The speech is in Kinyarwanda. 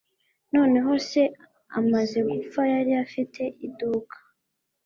Noneho se amaze gupfa yari afite iduka